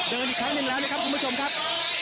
เดินอีกครั้งหนึ่งแล้วนะครับคุณผู้ชมครับ